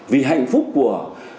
vì hạnh phúc của